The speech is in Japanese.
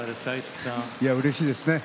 うれしいですね。